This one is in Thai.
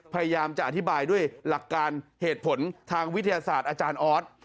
พยายามจะอธิบายด้วยหลักการเหตุผลทางวิทยาศาสตร์อาจารย์ออส